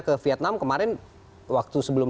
ke vietnam kemarin waktu sebelum